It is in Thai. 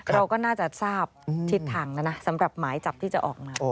เราก็น่าจะทราบทิศทางแล้วนะสำหรับหมายจับที่จะออกมา